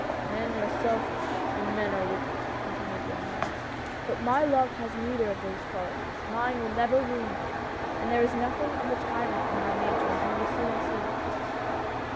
" Men are selfish and men are wicked," continued HOPES. 171 the young artist, "but my love has neither of these qualities ; mine will never wound you, and there is nothing of the tyrant in my nature, as you will soon see